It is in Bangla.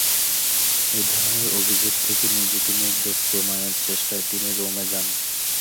এধরনের অভিযোগ থেকে নিজেকে নির্দোষ প্রমাণের চেষ্টায় তিনি রোমে যান।